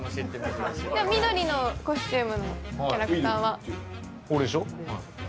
緑のコスチュームのキャラクター？